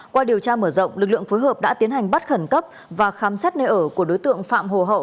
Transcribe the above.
qua điều tra mở rộng lực lượng phối hợp đã tiến hành bắt khẩn cấp và khám xét nơi ở của đối tượng phạm hồ hậu